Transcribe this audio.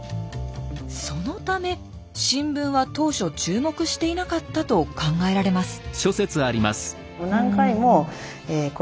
そのため新聞は当初注目していなかったと考えられます。